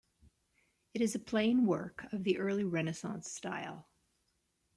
It is a plain work of the early Renaissance style.